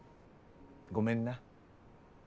ごめんな。